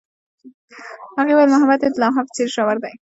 هغې وویل محبت یې د لمحه په څېر ژور دی.